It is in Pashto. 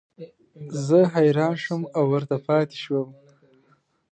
زه حیران شوم او ورته پاتې شوم.